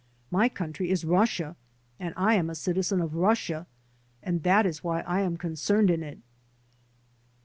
My country is Russia and I am a citizen of Russia, and that is why I am concerned in it."